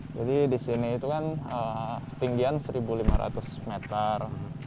jadi di sini itu kan tinggian seribu lima ratus meter